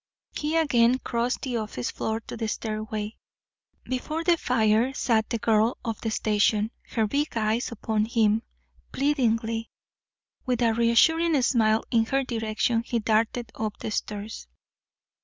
He again crossed the office floor to the stairway. Before the fire sat the girl of the station, her big eyes upon him, pleadingly. With a reassuring smile in her direction, he darted up the stairs.